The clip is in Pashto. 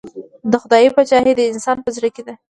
د خدای پاچهي د انسان په زړه کې ده.